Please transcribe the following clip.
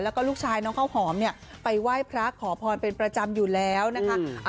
แล้วก็ลูกชายน้องข้าวหอมเนี่ยไปไหว้พระขอพรเป็นประจำอยู่แล้วนะคะ